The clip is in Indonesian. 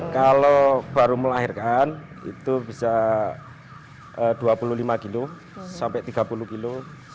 kalau baru melahirkan itu bisa dua puluh lima kilo sampai tiga puluh kilo